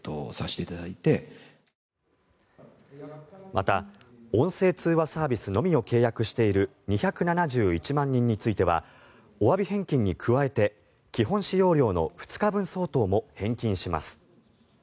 また音声通話サービスのみを契約している２７１万人についてはおわび返金に加えて基本使用料の２日分相当も返金します。